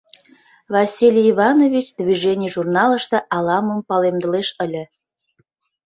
Василий Иванович движений журналыште ала мом палемдылеш ыле.